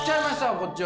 こっちは。